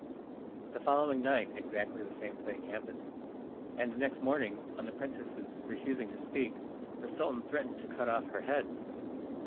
The following night exactly the same thing happened, and next morning, on the princess's refusing to speak, the Sultan threatened to cut off her head.